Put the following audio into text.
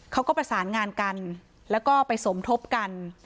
เขาก็ประสานงานกันแล้วก็ไปสมทบกัน